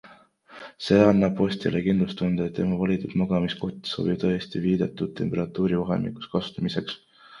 See annab ostjale kindlustunde, et tema valitud magamiskott sobib tõesti viidatud temperatuurivahemikus kasutamiseks.